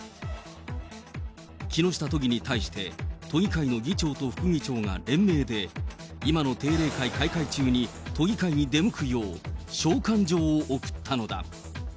木下都議に対して、都議会の議長と副議長が連名で、今の定例会開会中に、都議会に出向くよう、召喚状を送ったのだ。